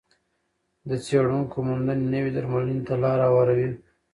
د څېړونکو موندنې نوې درملنې ته لار هواروي.